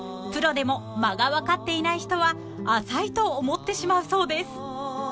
［プロでも間が分かっていない人は浅いと思ってしまうそうです］